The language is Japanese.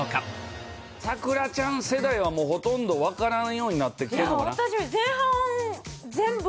咲楽ちゃん世代はもうほとんどわからんようになってきてるかな？